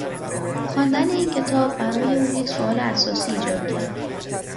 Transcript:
خواندن این کتاب برای او یک سوال اساسی ایجاد کرد